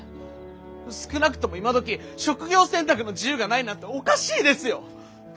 少なくとも今どき職業選択の自由がないなんておかしいですよ！